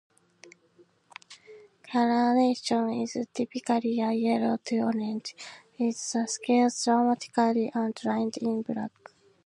Coloration is typically a yellow to orange, with the scales dramatically outlined in black.